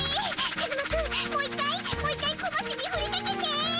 カズマ君もう一回もう一回小町にふりかけて！